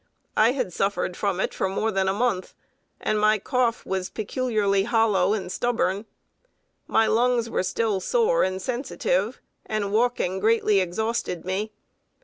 I had suffered from it for more than a month, and my cough was peculiarly hollow and stubborn. My lungs were still sore and sensitive, and walking greatly exhausted me.